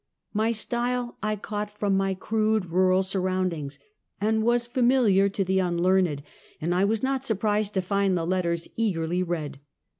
My style I caught from my crude, rural surround ings, and was familiar to the unlearned, and I was not surprised to find the letters eagerly read.